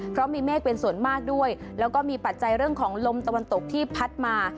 เพราะมีเมฆเป็นส่วนมากด้วยแล้วก็มีปัจจัยเรื่องของลมตะวันตกที่พัดมา